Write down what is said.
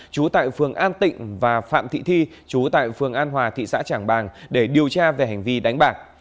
chú tại phường an tịnh và phạm thị thi chú tại phường an hòa tp hcm để điều tra về hành vi đánh bạc